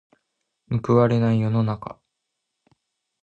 報われない世の中。